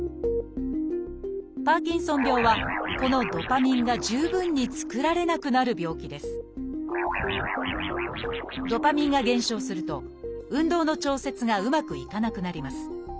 パーキンソン病はこのドパミンが十分に作られなくなる病気ですドパミンが減少すると運動の調節がうまくいかなくなります。